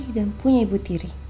dan punya ibu tiri